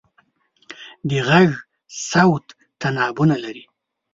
د غږ صورت تنابونه لري.